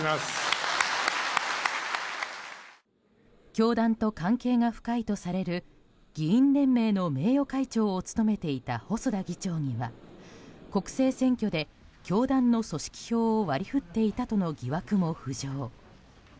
教団と関係が深いとされる議員連盟の名誉会長を務めていた細田議長には国政選挙で教団の組織票を割り振っていたとの疑惑も浮上。